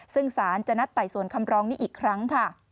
ซึ่งสารจะนัดไต่สวนคำร้องนี้อีกครั้งค่ะ